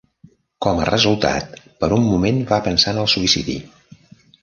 Com a resultat, per un moment va pensar en el suïcidi.